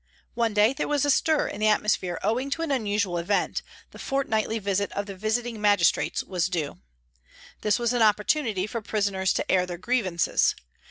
One day there was a stir in the atmosphere owing to an unusual event, the fortnightly visit of the Visiting Magistrates was due. This was an oppor tunity for prisoners to air their grievances.